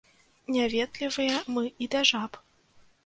Няветлівыя мы і да жаб.